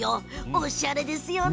おしゃれですよね。